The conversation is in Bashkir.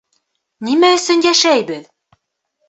Нимә өсөн йәшәйбеҙ?